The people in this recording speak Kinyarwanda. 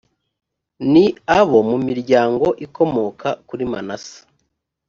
ni abo mu miryango ikomoka kuri manase